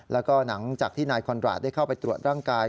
แล้วก็หลังจากที่นายคอนราชได้เข้าไปตรวจร่างกาย